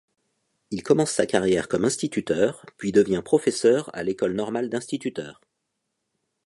Il commence sa carrière comme instituteur, puis devient professeur à l’École normale d’instituteurs.